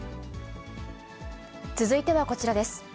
続いてはこちらです。